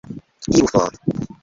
Iru for!